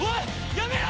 やめろ！